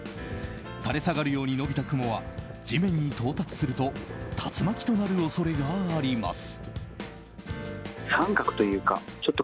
垂れ下がるように伸びた雲は地面に到達すると竜巻となる恐れがあります。